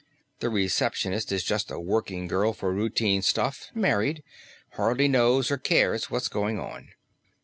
"The receptionist is just a working girl for routine stuff, married, hardly knows or cares what's going on.